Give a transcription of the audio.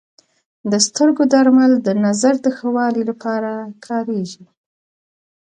د سترګو درمل د نظر د ښه والي لپاره کارېږي.